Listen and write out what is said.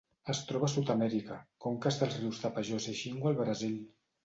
Es troba a Sud-amèrica: conques dels rius Tapajós i Xingu al Brasil.